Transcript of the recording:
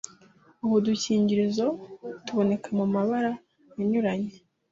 Ubu udukingirizo tuboneka mu mabara anyuranye,